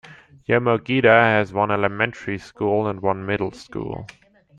Yomogita has one elementary school and one middle school.